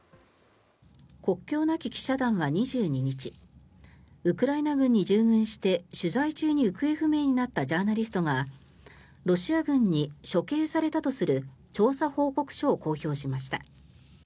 国境なき記者団は２２日ウクライナ軍に従軍して取材中に行方不明になったジャーナリストがロシア軍に処刑されたとする調査報告書を公表しました。